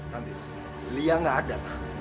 ranti lia gak ada